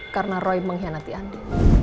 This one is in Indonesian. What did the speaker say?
karena roy mengkhianati andin